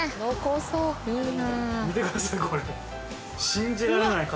見てくださいこれ。